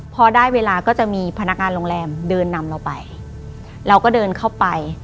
พอได้เวลาก็จะมีพนักงานโรงแรมเดินนำเราไปเราก็เดินเข้าไป